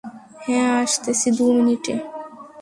হা, আসতেছি, দু মিনিটে।